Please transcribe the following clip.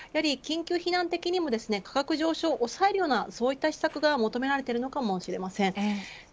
緊急避難的にも価格上昇を抑えるようなそういった施策が求められているのかもしれません。